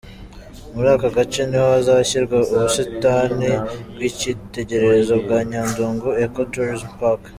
Muri aka gace niho hazashyirwa ubusitani bw’icyitegererezo bwa Nyandungu Eco Tourism Park.